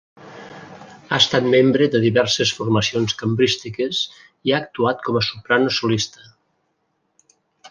Ha estat membre de diverses formacions cambrístiques i ha actuat com a soprano solista.